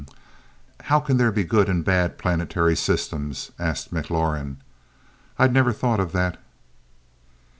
"Hmm how can there be good and bad planetary systems?" asked McLaurin. "I'd never thought of that."